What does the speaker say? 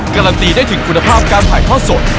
การันตีได้ถึงคุณภาพการถ่ายทอดสด